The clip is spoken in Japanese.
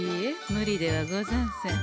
無理ではござんせん。